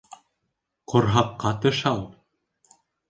Ҡорһаҡҡа тышау.